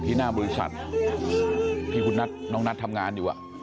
ที่หน้าบริษัทที่น้องนัททำงานอยู่